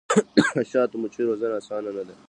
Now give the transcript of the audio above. د شاتو مچیو روزنه اسانه ده؟